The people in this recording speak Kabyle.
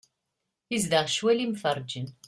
Izdeɣ ccwal imferrǧen.